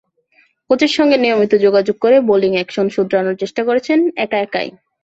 কোচের সঙ্গে নিয়মিত যোগাযোগ করে বোলিং অ্যাকশন শোধরানোর চেষ্টা করেছেন একা একাই।